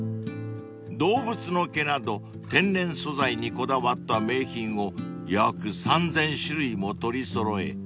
［動物の毛など天然素材にこだわった名品を約３，０００種類も取り揃え